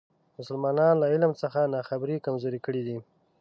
مسلمانان له علم څخه ناخبري کمزوري کړي دي.